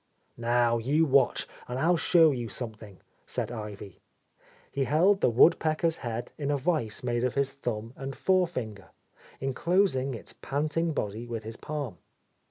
"Now, you watch, and I'll show you some thing," said Ivy. He held the woodpecker's head in a vice made of his thumb and forefinger, en closing its panting body with his palm.